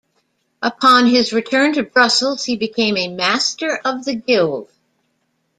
Upon his return to Brussels he became a master of the Guild.